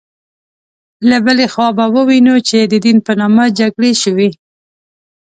له بلې خوا به ووینو چې د دین په نامه جګړې شوې.